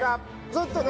ずっとね